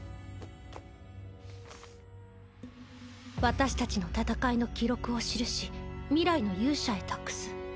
「私たちの戦いの記録を記し未来の勇者へ託す」。